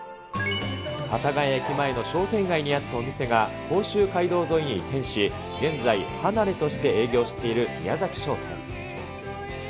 幡ヶ谷駅前の商店街にあったお店が、甲州街道沿いに移転し、現在、はなれとして営業しているミヤザキ商店。